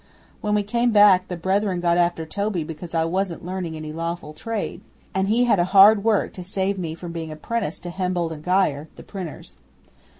When we came back, the Brethren got after Toby because I wasn't learning any lawful trade, and he had hard work to save me from being apprenticed to Helmbold and Geyer the printers.